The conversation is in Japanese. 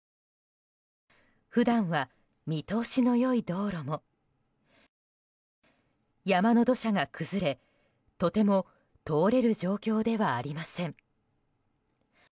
普段は見通しの良い道路も山の土砂が崩れ、とても通れる状況ではありません。